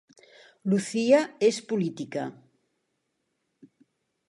Lucía és política